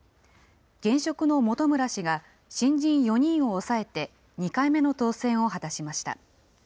現職の本村氏が新人４人を抑えて２回目の当選を果たしました。